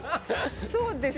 そうですね